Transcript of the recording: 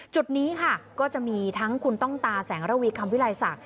จุดนี้ค่ะก็จะมีทั้งคุณต้องตาแสงระวีคำวิลัยศักดิ